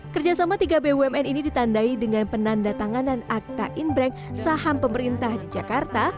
kerjasama tiga bumn ini ditandai dengan penanda tanganan akta inbrank saham pemerintah di jakarta